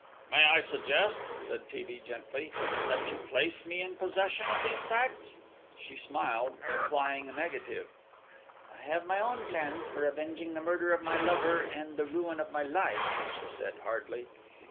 "May I suggest," said T. B. gently, "that you place me in possession of those facts?" She smiled, implying a negative. "I have my own plans for avenging the murder of my lover and the ruin of my life," she said hardly.